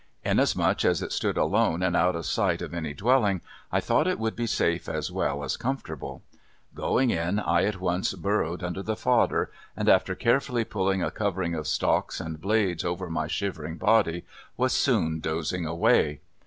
Inasmuch as it stood alone and out of sight of any dwelling I thought it would be safe as well as comfortable. Going in, I at once burrowed under the fodder, and after carefully pulling a covering of stalks and blades over my shivering body, was soon dozing away.